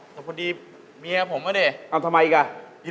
แต่พอดีเมียกับผมก็ได้